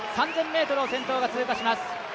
３０００ｍを先頭が通過します。